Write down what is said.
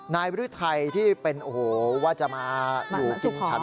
บริไทยที่เป็นโอ้โหว่าจะมาอยู่กินฉัน